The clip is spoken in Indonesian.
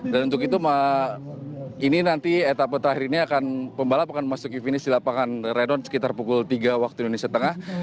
dan untuk itu ini nanti etapa terakhir ini akan pembalap akan memasuki finish di lapangan redon sekitar pukul tiga waktu indonesia tengah